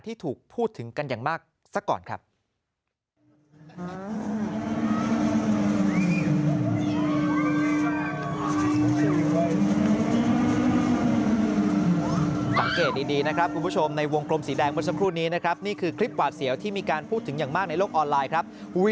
ที่ถูกพูดถึงกันอย่างมากซะก่อนครับ